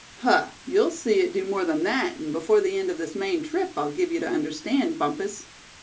"Huh! you'll see it do more than that, and before the end of this Maine trip, I'll give you to understand, Bumpus."